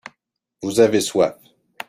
vous avez soif.